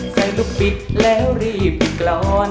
ใส่ลูกปิดแล้วรีบไปเข้าไปร้อน